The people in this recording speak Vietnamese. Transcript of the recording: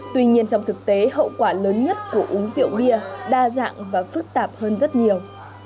tuy nhiên trong thực tế hậu quả lớn nhất của uống rượu bia đa dạng và phức tạp hơn rất nhiều